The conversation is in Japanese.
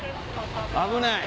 危ない！